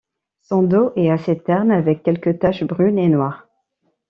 Son dos est assez terne avec quelques taches brunes et noires.